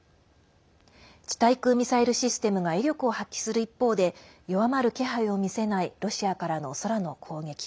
地対空ミサイルシステムが威力を発揮する一方で弱まる気配を見せないロシアからの空の攻撃。